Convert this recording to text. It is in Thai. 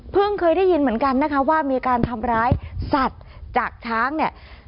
เคยได้ยินเหมือนกันนะคะว่ามีการทำร้ายสัตว์จากช้างเนี่ย